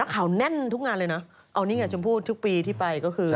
ข่าวแน่นทุกงานเลยนะเอานี่ไงชมพู่ทุกปีที่ไปก็คือ